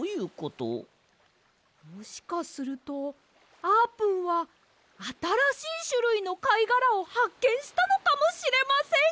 もしかするとあーぷんはあたらしいしゅるいのかいがらをはっけんしたのかもしれません！